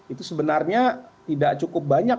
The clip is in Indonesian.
itu sebenarnya tidak cukup banyak